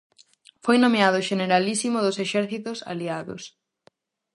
Foi nomeado xeneralísimo dos exércitos aliados.